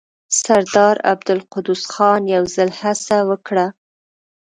سردار عبدالقدوس خان يو ځل هڅه وکړه.